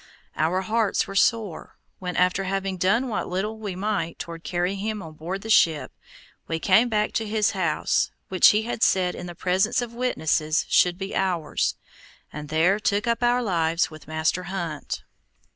Our hearts were sore, when, after having done what little we might toward carrying him on board the ship, we came back to his house, which he had said in the presence of witnesses should be ours, and there took up our lives with Master Hunt.